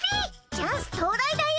チャンス到来だよ！